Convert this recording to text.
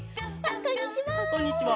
こんにちは。